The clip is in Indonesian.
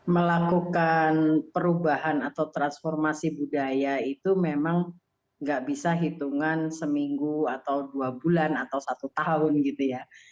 melakukan perubahan atau transformasi budaya itu memang nggak bisa hitungan seminggu atau dua bulan atau satu tahun gitu ya